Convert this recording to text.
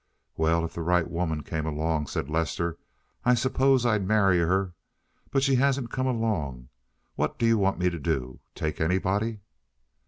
"Well, if the right woman came along," said Lester, "I suppose I'd marry her. But she hasn't come along. What do you want me to do? Take anybody?"